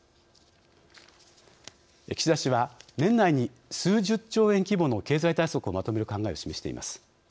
岸田氏は年内に数十兆円規模の経済対策をまとめる考えを示しています。